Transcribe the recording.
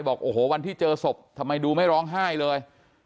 บอกโอ้โหวันที่เจอศพทำไมดูไม่ร้องไห้เลย